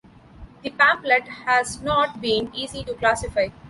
The pamphlet has not been easy to classify.